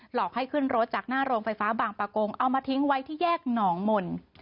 หลอกให้ขึ้นรถจากหน้าโรงไฟฟ้าบางประกงเอามาทิ้งไว้ที่แยกหนองมนต์